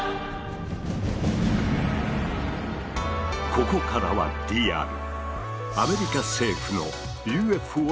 ここからはリアル。